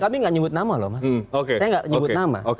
kami nggak nyebut nama loh mas saya nggak nyebut nama